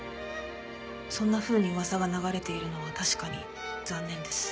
そんなふうに噂が流れているのは確かに残念です。